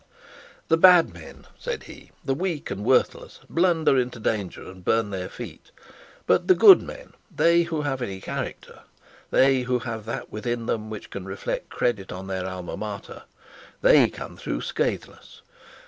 The bad men, said he, and the weak and worthless, blunder into danger and burn their feet; but the good men, they who have any character, they who have that within them which can reflect credit in their Alma Mater, they come through scatheless.